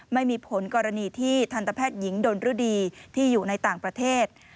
ไม่มีผลกรณีที่ทันตแพทย์หญิงดนฤดีที่อยู่ในต่างประเทศ